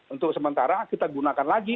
untuk sementara kita gunakan lagi